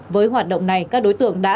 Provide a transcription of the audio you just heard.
với hoạt động này các đối tượng đã